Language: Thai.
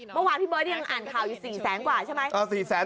เมื่อวานพี่เบิร์ตยังอ่านข่าวอยู่๔แสนกว่าใช่ไหม